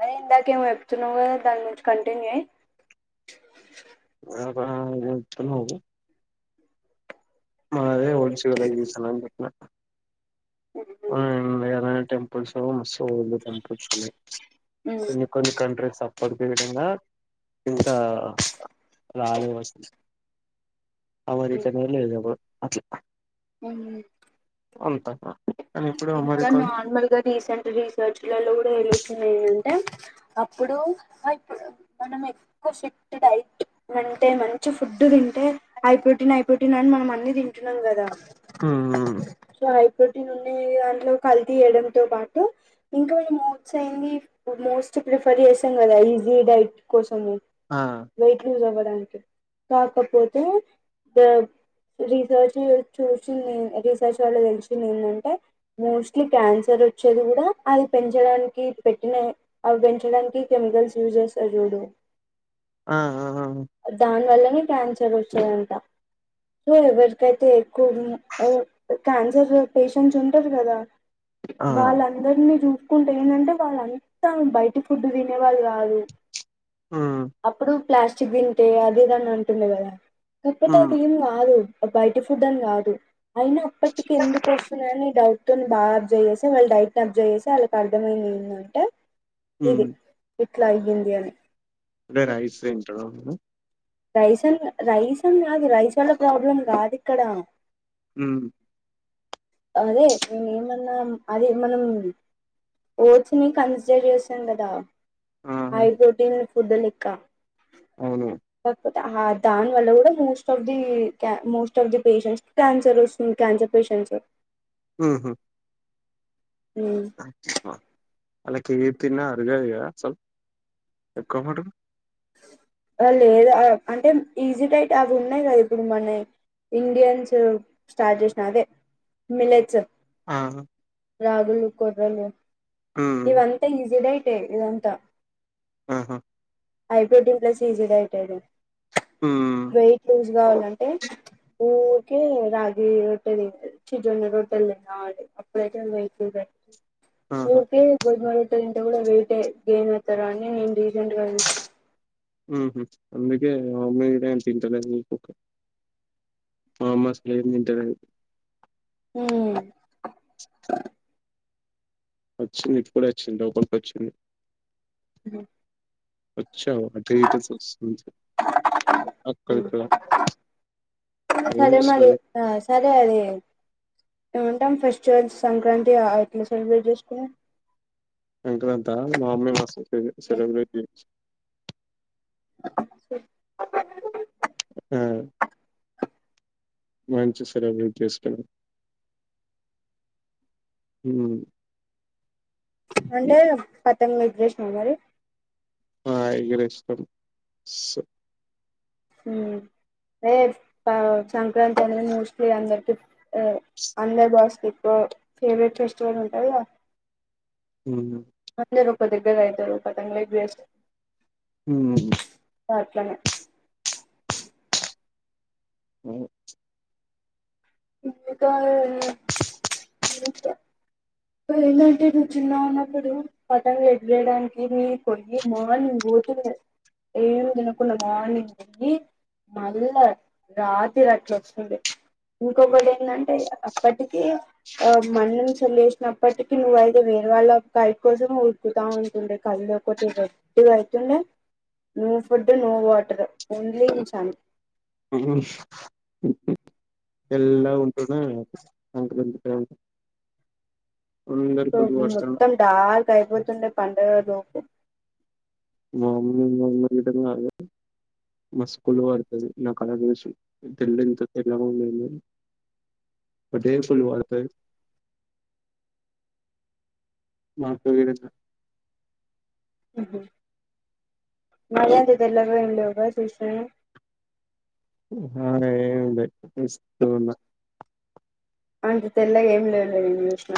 అదే ఇందాక ఏమో చెప్తున్నావు కదా దాని నుంచి కంటిన్యూ చెయ్ [inaudible] మాదే [unintelligible] ఆ ఏదైన టెంపుల్స్ [unintelligible] కొన్ని కొన్ని కంట్రీస్ పడిపోయే విధంగా ఇంకా రాలే వస్తుంది ఆ మరి చెప్పినట్ల చేయదేమో అట్లా అవున అంత [unintelligible] ఇంకా అమెరికా నార్మల్ గా రీసెంట్ రీసెర్చ్ లలో కూడా తెలుస్తున్నాయి అంటె అప్పుడు మనం ఎక్కువ ఫిట్ డైట్ అంటే మంచి ఫుడ్ తింటే హై ప్రోటీన్ హై ప్రోటీన్ అని మనం అన్ని తింటున్నాం కదా ఉమ్ సో హై ప్ర్రోటీన్ ఉ దాంట్లో కల్తీ చేయడం తో పాటు ఇంకా ఏమో [unintelligible] అయింది మోస్ట్ ప్రిఫర్ చేసాం కదా ఈజీ డైట్ కోసం అవును ఆ వెయిట్ లూస్ అవ కాకపోతే ద రీసెర్చ్ చూసింది రీసెర్చ్ వాళ్ళ తెలీచింది ఏంటంటే మోస్ట్లీ క్యాన్సర్ వచ్చేది కూడా అది పెంచడానికి పెట్టిన అవి పెంచడానికి కెమికల్స్ యూజ్ చేస్తారు చూడు ఆ దాన్లలోనే పంచ్ [unintelligible] అంట నేన్ ఎవ్వరితోటి [inaudible] క్యాన్సర్ పేషంట్స్ ఉన్న తెలుసు కదా ఆ వాళ్ళ అందరిని చూసు కుంటే ఏంటంటే వాళ్ళంతా బయట ఫుడ్ తినేవాళ్ళు కాదు ఊ అప్పుడు ప్లాస్టిక్ తింటే అది ఇది అని అంటుండు కదా ఇప్పతో ఉమ్ తీం కాదు బయట ఫుడ్ అని కాదు. అయిన అప్పటికి ఎందుకు వస్తున్నాయిని క్నిన్ దా అబ్జవ్ చేసి, వాళ్ళ డైట్ ని అబ్జవ్ చేసి వాళ్ళకి అర్థమైంది ఏందంటే ఊ ట్లాయ్గింది అని అదే రైస్ రెంట్ ఉ రైసన్ క రైసం కాదు రైస్ వాళ్ల ప్రాబ్లం కాదు ఇక్కడ. ఉమ్ అదే చ్ నేమన్నా అదే మనం ఓచ్చ ని కన్స్ జరియసన్ గదా ఆ హై ప్రోటీన్ కుద్దలిక్క అవును హ దాని వల్ల కూడా మోస్ట్ ఆఫ్ ది కె most of the patients cancer వస్తుంది. క్యాన్సర్ పేషెంట్స్ అంజప్ప అలా కివి తిన్నా అర్గదు కదా స్వల్ ఎక్కబోటు లేదు అంటే ఈజీ టైట్ అవి ఉన్నాయి కదా ఇప్పుడు. మొన్న ఇండియన్స్ స్టార్ట్ చేసిన అదే మిలెట్స్ ఆహ రాగులు, కొర్రలు ఉమ్ ఇవంతా ఈజీనే తే ఇదంతా ఆహా ఐ ప్రోటీన్ ప్లస్ ఈజీడైటేడే చ్ హ్మ్ వెయిటీజ్ కావాలంటే ఊరికే రాగిరొట్టె తింటది. చి జోన్న రొట్టెలు తినాలి అప్పుడైతే వెహికల్ ఆహా! ఊరికే గుడ్ మార్నింగ్ పెంట కూడా వెయిటే గెయిన్ అవుతారా అని నేను రీసెంట్గా చ్ ఉహు అందుకే మా అమ్మీ కూడా ఏం తింటలేదు మీ [unintelligible] మా అమ్మ అసలు ఏం తింటలేదు. మ్ వచ్చింది ఇప్పుడే వచ్చింది. లోపలికి వచ్చింది. చూసిన వచ్చ వాటీటస్ వస్తుంది అక్కడక్కడ ఎం సరే మరి జెస్సున్నావే. సరే అది ఏమంటాం ఫెస్టివల్స్ సంక్రాంతి ఆ ఎట్లా సెలబ్రేట్ చేసుకున్నా సంక్రాంత మా అమ్నిమాసు సరే సెలబ్రిటీ ఆ ఏం చేస్తరండి జస్ట్ ఉమ్మ్ పల్లె కృష్ణుడు మరి [unintelligible] ఆయ్ ఇగ నెక్స్ట్ సెట్ [unintelligible] ఉమ్ అదే సంక్రాంతి అనేది మోస్ట్లీ అందరికి స్ అందర్ బాస్కిట్ ఎక్కువ ఫేవరెట్ ఫెస్టివల్ ఉంటుంది గ [inaudible] ఉహు అందరు పెద్దగా దగ్గర ఐతరు పతంగులు ఎగురేస్తారు. ఉమ్మ్ హు ఆ అట్లనే వమ్మే చుప్ [inaudible] వమ్మికా [unintelligible] ఏంటంటే నువ్వు చిన్నగ ఉన్నప్పుడు పతంగి ఎదగరేయడానికి నేను పోయి మార్నింగ్ పోతుండే ఏం తినకుండా మార్నింగ్ పోయి మళ్ళా రాత్రి అట్ల అస్తుండే ఇంకొకటి ఏంటంటే అప్పటికి మంచం వేసి అప్పటికి నువ్వు అయితే వేరె వాళ్ళ బైక్ కోసం ఉరుకుతా ఉంటుండే కళ్ళు ఒకటి రెడ్డ్ గా అయితుండే no food no water only ఇంచాను అహ్ హు హ్ తెల్లగా ఉంటుండే నేనైతే సంక్రాంతి తర్వాత మొత్తం డార్క్ అయిపోతుండే పండుగలో మామ్మీ మమటంగా [unintelligible] మస్త్ కుళ్ళు ప నా కలర్ జూషి నేను ఇంత తెల్లగా తెల్లగున్నా మ [unintelligible] అటే ఫుల్లు వాడతారు మాకు తెలీదు అసల ఉహు మరి అంత తెల్లగా ఏం లేవ్ గా చూసిన నేను అలా ఏం లే మిస్కు ల ఉన్న [unintelligible] అంత తెల్లగా ఏం లేవులే నిన్ను చూష్న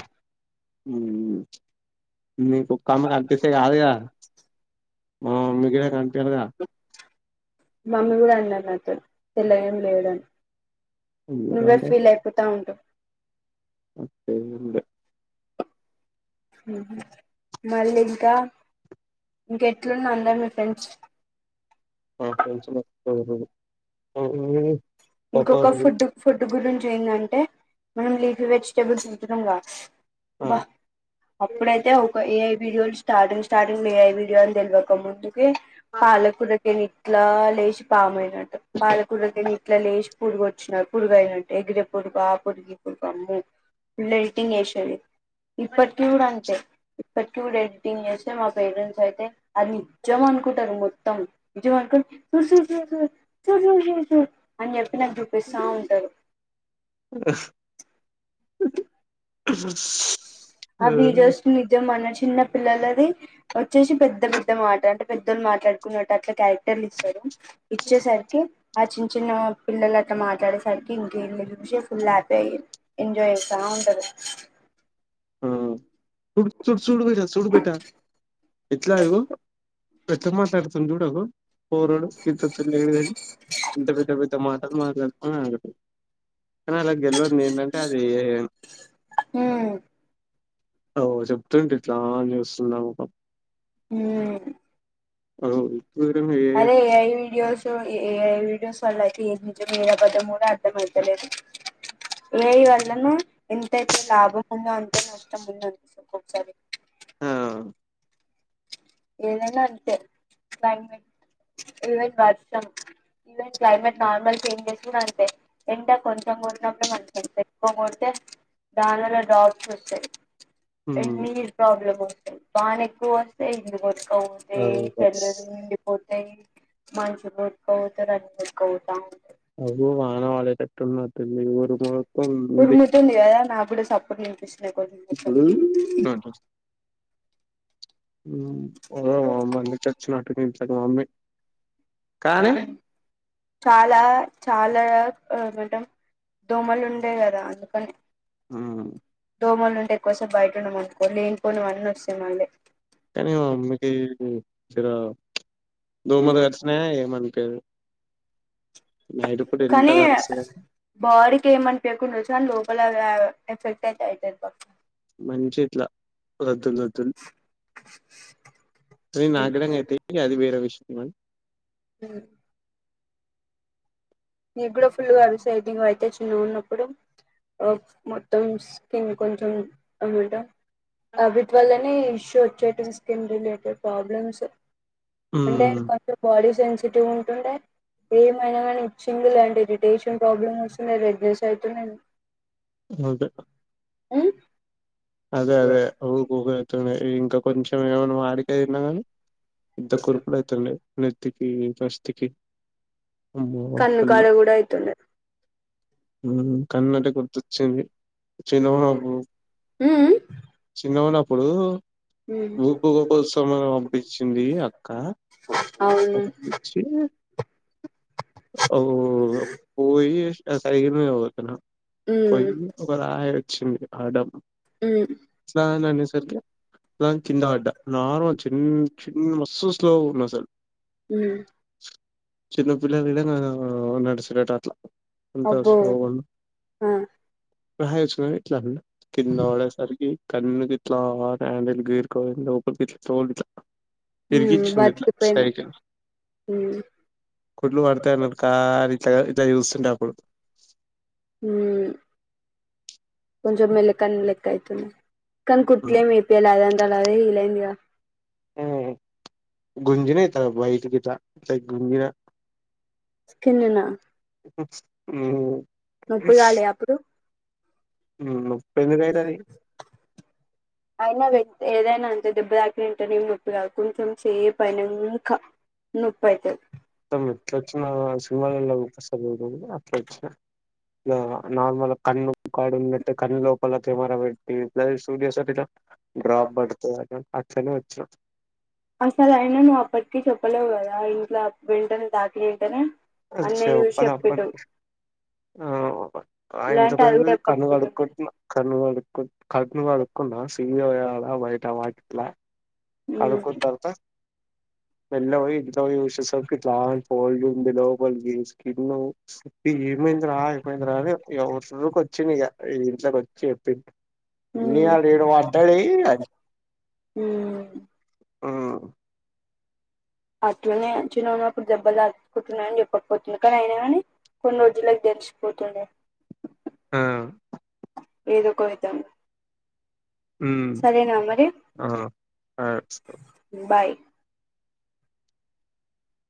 ఉమ్మ్ చుప్ మీ కుక్క మాకు అంటిస్తే కాదుగా మా మమ్మీ కి నాకు అంటేన్ గా [inaudible] మమ్మీ కూడా అన్నది నాతోని తెల్లగ ఏం లేడని నువ్వే ఎందుకంటే ఫీల్ అయిపోతా ఉంటవు అట్లెంలే మళ్ళీ ఇంకా ఇంకెట్లున్నా అందరు మీ ఫ్రెండ్స్ సూపర్ నువ్వు [unintelligible] ఇంకొక ఫుడ్ ఫుడ్ గురించి ఏందంటే మనం లీఫీ వెజిటేబుల్స్ తింటున్నాం గా ఆ భ అప్పుడెయితే ఒక ఎ ఐ వీడియోలు starting starting A. I video అని తెల్వక ముందు ఏ ఆ పాలకూర నేన్ ఇట్లా లేశి పామయినట్టు. పాలకూరతిని ఇట్ల లేశి పురుగొచ్చినట్ పురుగయినట్ట్ ఎగిరే పురుగు ఆ పురుగు ఈ పురుగు అమ్మో. Full editing చేశేది. ఇప్పట్కి కూడా అంతే. ఇప్పట్కి గూడా ఎడిటింగ్ చేస్తే మా పేరెంట్స్ అయితే, అది నిజ్జం అనుకుంటరు మొత్తం. నిజం అనుకోన్ చూడ్ చూడ్ చూడ్ చూడ్ చూడ్ చూడ్ చూడ్ చూడ్. అని చెప్పి నాక్ చూపిస్తా ఉంటరు. ఆ ఆ వీడియోస్ నిజం అనేశి చిన్న పిల్లలది వచ్చేశి పెద్ద పెద్ద మాట అంటే పెద్దోళ్ళు మాట్లాడుకున్నట్టు అట్ల క్యారెక్టర్లు ఇస్తరూ. ఇచ్చేసర్కీ ఆ చిన్ చిన్నా పిల్లల్ అట్ల మాట్లాడేసరికి ఇంక ఈళ్ళు చూశి ఫుల్ల్ హ్యాపీ అయ్యి ఎంజాయ్ చేస్తా ఉంటరు. ఆ చూడు చూడు చూడు బేటా చూడు బేటా ఎట్లా ఇగో ఇపుడెట్ల మాట్లాడుతుండు చూడు అదిగో. పోరడు గింతంత లేడు గాని, ఇంత పెద్ద పెద్ద మాటలు మాట్లాడుతా అనుకుంటరు. కానీ ఆళ్ళక్ తెల్వద్ ఏందంటే అదీ ఏఐ అని. హ్మ్ అఓ చెప్తుంటి ఇట్లా ఆన్ చేస్తున్నాము ఊ [unintelligible] అదే ఏఐ వీడియోసు, ఏఐ వీడియోస్ వాళ్ళకీ ఏది నిజమో ఏది అబద్ధమో గూడా అర్థమయితలేదు. ఏఐ వల్లనే ఎంతైతే లాభంవుందో అంత్ ఐతే నా ఇష్టం ఉందనిపిస్తది ఒకొకసారి. ఆ ఏదైనా అంతే క్లైమేట్ ఈవెన్ వర్షం, ఈవెన్ క్లైమేట్ నార్మల్ చేంజెస్ గూడా అంతే. ఎండ కొంచెం కొట్టినప్పుడే మంచిగ అనిపిస్తది. ఎక్కువ కొడితే దానివల్ల డాట్స్ వస్తయ్. హ్మ్ ఏందీ నీ ప్రాబ్లము. ఫ్యాన్ ఎక్కువర్స్ [unintelligible] కాకపోతే అది ఏఐ బస్ [unintelligible] నిండిపోద్ది తే మనుషులు కొట్టుక్పోతరు అన్నీ కొట్టుకపోతావుంటయి. అగ జూడు వాన పడేటట్టు ఉన్నద్. తల్లి ఊరు మొత్తం [unintelligible] సప్పుడ్లు ఇన్పిస్త్ ఇంకొంచెం సేపట్ [inaudible] ఉమ్మ్ పోగల వామ్మ అంది చచ్చినట్ ప్రతీ ఇంట్ల గవర్నమెంట్ చాలా చాలా ఆ ఏమంటరు దోమలు ఉండే గదా అందుకని. ఆ ఎ కోసం బయట ఉండ [unintelligible] లేనుకోన అని వస్తే మళ్ళీ కానీ మమ్మీకి కు ఇడ దోమ కరిచినయి ఏమంటే ఎంత కానీ కరుస్తదో బాడీకి ఏమనిపయకుండా [unintelligible] కాని లోపల ఎఫెక్టట్ అయితే అయితది [unintelligible] మంచి ఇట్లా రద్దులు రద్దులు నే నాగడంగా అయితే అది వేరే విషయం [unintelligible] హ నీ కూడా ఫుల్గా [unintelligible] అయితే చిన్నగా ఉన్నప్పుడు మొత్తం స్కిన్ కొంచెం [unintelligible] ఆబిట్ వల్ల అనీ ఇష్యూ వచ్చేట స్కిన్ రిలేటెడ్ ప్రాబ్లమ్స్ అంటే హ్మ్. కొంచం బాడి సేన్ [unintelligible] ఉంటుండే ఏమైనా కానీ సింగల్ అండ్ ఇరిటేషన్ ప్రాబ్లమ్ వస్తుందే రెడ్నెస్ అవుతుందే ఓకే హ్మ్ అదే అదే ఉకుగ [unintelligible] ఇంకా కొంచెం ఏమైనా వాడికైన కానీ ఇంత కుర్పులు అవుతుండ [unintelligible] కన్నుకాడ కూడా అయితుంది కన్ను అంటే గుర్తొచ్చింది [unintelligible] బ్రో హ్మ్ హ్మ్ చిన్నగ ఉన్నప్పుడు ఉకు గ కోసమం పంపించింది అక్క, అవును పంపించి, ఆ పోయి సైకిల్ మీద పోతున్న హ్మ్ పోయి ఒక రా వచ్చింది ఆ దబ్ హ్మ్ [unintelligible] నసర్కి [unintelligible] కింద పడ్డ నార్మల్ చిన్న చిన్న మస్తు స్లో ఉన్నా అసలు హ్మ్ చిన్న పిల్లలుదంగా నడుసినట్ అట్లా అంత అబ్బో! స్లోగన్ ఆ! రాయచ్చన్నా ఇట్లాడి కిన్నా వా సరి కన్ను తీట్లా హండెల్ గరుకో ఊపీట్ చో హ్మ్. తరిగిచ్చింది ఇట్లా బతికిపోయినవు. సైకిల్ హ్మ్. కొట్లు పడతయిన్నారు కాని ఇట్లా స్ంట అప్పుడు కొంచ మేలకనిలక్కయితునే కనీ కుట్లే మ మీ పలా అదంతది ఇలందిగా గుంజనా త వాైట ఇట గుంజనా కిన్ననా ఆ ముప్పుడు కాలి అప్పుడు హ్మ్. నొప్పి ఎందుకు అయితది అయినా ఏదైనా దెబ్బ తాకినంటేనే నొప్పి కాదు కొంచెం చే పైన ఇంకా నొప్పి అవుతుది మొత్తం ఎట్లా వచ్చినా సిమాల్ళస అట్లా వచ్చినా ఇ నార్మల్ కన్ను కాడు ఉన్నట్టే కన్ను లోపల కెమెరా పెట్టి సూడియోస్ అ డ్రాప్ పడుతుందిని అట్లనే వచ్చినాం అసలైనా నుప్పట్క చెప్పల వరా ఇంలో వెంటనే దాఖలీ ఏంటనే చ్చే ఒప్పదప్ప ఆ ఆయంత లేదంటే అది పేరు కూడా కన్ను చెప్పకపోతుండే. కడుక్ంటున్నా కన్ను కడుక్ కన్ను కడుక్కున్నా స పోయిట వాట్లా కాడు హ్మ్. కొ చ ఉత మళ్ల పోయి ఇట్లా పోయిషసకిట్లా కోల్డ్ ఉంది లోపలికి స్కిన్ ఏమైంది రా ఏమైంది రా అని ఎకి వచ్చింది ఇక ఈ ఇంట్లోకి వచ్చి చెప్పింది ఎన్ని ఆ రేడు వాద్దడ హ్మ్. ఉమ్ ఆ అట్ననే చిన్న గున్నప్పుడు దెబ్బ దాచకుంటన్నాయని చెపరు డిపోతుంది కడ అయినా కాని కొన్ని రోజులకి తెలిసిిపోతుండంది ఆ ఏద కొయితను ఆ అ బాయ్